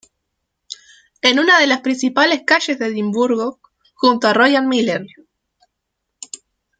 Es una de las calles principales de Edimburgo, junto a Royal Mile.